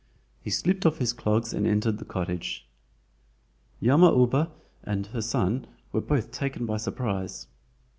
He slipped off his clogs and entered the cottage. Yama uba and her son were both taken by surprise.